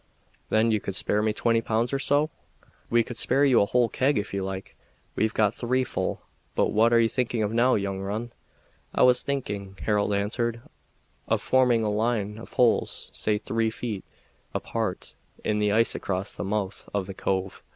"Then you could spare me twenty pounds or so?" "We could spare you a whole keg if you like; we've got three full. But what are you thinking of now, young un?" "I was thinking," Harold answered, "of forming a line of holes, say three feet apart, in the ice across the mouth of the cove.